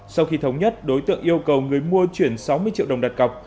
sau khi thống nhất đối tượng yêu cầu người mua chuyển sáu mươi triệu đồng đặt cọc